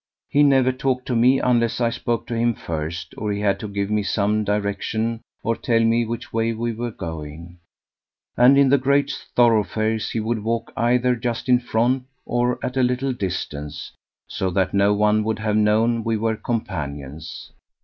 He never talked to me unless I spoke to him first or he had to give me some direction or tell me which way we were going; and in the great thoroughfares he would walk either just in front or at a little distance, so that no one would have known we were companions.